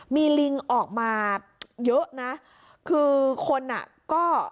มีลิงออกมาเยอะนะคือคนอ่ะก็